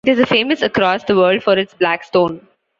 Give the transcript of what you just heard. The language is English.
It is famous across the world for its Black stone.